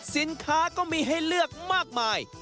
สินค้าก็มีให้เลือกมากมาย